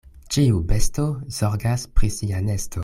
Ĉiu besto zorgas pri sia nesto.